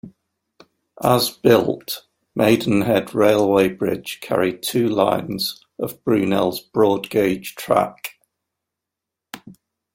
As built, Maidenhead Railway Bridge carried two lines of Brunel's broad gauge track.